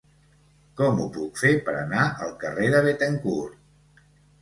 Com ho puc fer per anar al carrer de Béthencourt?